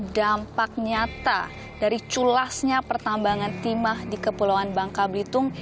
dampak nyata dari culasnya pertambangan timah di kepulauan bangka belitung